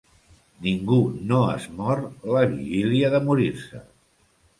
Ningú no es mor la vigília de morir-se.